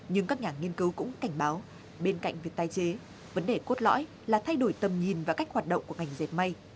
nhưng các nhà nghiên cứu cũng cảnh báo bên cạnh việc tái chế vấn đề cốt lõi là thay đổi tầm nhìn và cách hoạt động của ngành dệt may